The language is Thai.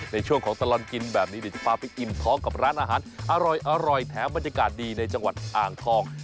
ในช่วงของตลอดกินแบบนี้เดี๋ยวจะพาไปอิ่มท้องกับร้านอาหารอร่อยแถมบรรยากาศดีในจังหวัดอ่างทอง